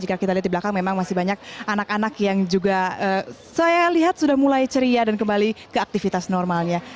jika kita lihat di belakang memang masih banyak anak anak yang juga saya lihat sudah mulai ceria dan kembali ke aktivitas normalnya